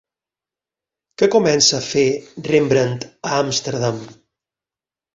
Què comença a fer Rembrandt a Amsterdam?